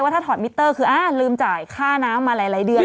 ถ้าถอดมิเตอร์คือลืมจ่ายค่าน้ำมาหลายเดือน